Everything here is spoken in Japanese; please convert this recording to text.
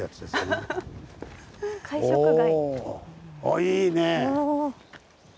あっいいね！